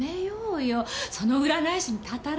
その占い師にたたられるって。